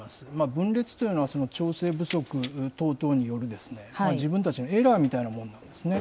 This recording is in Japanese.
分裂というのは、調整不足等々によるですね、自分たちのエラーみたいなものなんですね。